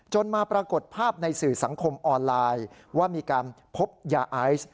มาปรากฏภาพในสื่อสังคมออนไลน์ว่ามีการพบยาไอซ์